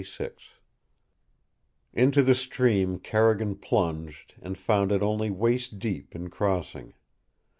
XXVI Into the stream Carrigan plunged and found it only waist deep in crossing.